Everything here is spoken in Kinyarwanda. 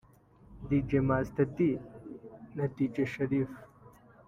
Dj Master D na Dj Sharif